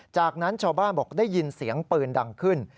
จากนั้นชาวบ้านบอกได้ยินเสียงปืนดังขึ้น